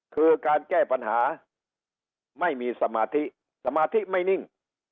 คือการแก้ปัญหาไม่มีสมาธิสมาธิไม่นิ่ง